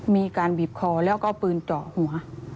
มีการบีบคอแล้วก็เอาปืนเจาะหัว